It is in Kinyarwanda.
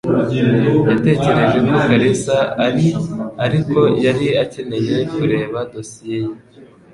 Yatekereje ko Kalisa ari, ariko ... yari akeneye kureba dosiye ye.